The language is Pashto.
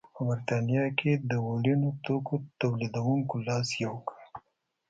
په برېټانیا کې د وړینو توکو تولیدوونکو لاس یو کړ.